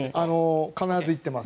必ず行っています。